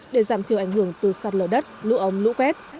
để giảm thiểu ảnh hưởng từ sạt lở đất lũ ống lũ quét